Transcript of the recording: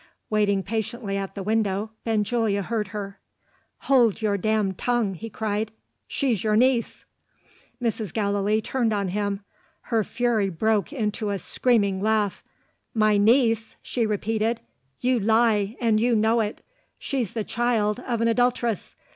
Waiting patiently at the window, Benjulia heard her. "Hold your damned tongue!" he cried. "She's your niece." Mrs. Gallilee turned on him: her fury broke into a screaming laugh. "My niece?" she repeated. "You lie and you know it! She's the child of an adulteress!